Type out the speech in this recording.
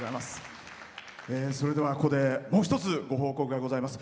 それでは、ここでもう一つご報告がございます。